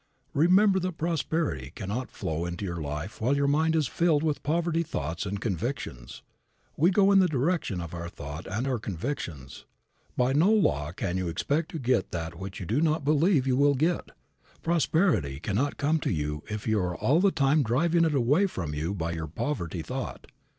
Remember that prosperity can not flow into your life while your mind is filled with poverty thoughts and convictions. We go in the direction of our thought and our convictions. By no law can you expect to get that which you do not believe you will get. Prosperity can not come to you if you are all the time driving it away from you by your poverty thought.